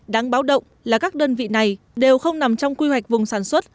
đáng báo động là các đơn vị này đều không nằm trong quy hoạch vùng sản xuất